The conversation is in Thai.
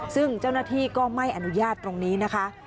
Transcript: ซึ่งเจ้าหน้าที่ก็ไม่อนุญาตตรงนี้นะคะ